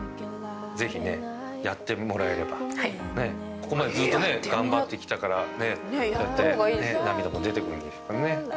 ここまでずーっとね頑張ってきたからねそうやって涙も出てくるでしょうからね。